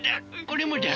これもだ！